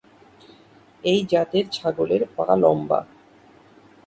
এই জাতের ছাগলের পা লম্বা।